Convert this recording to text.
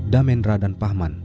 damendra dan pahman